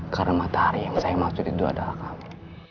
karena matahari yang saya mahu curi dulu adalah kamu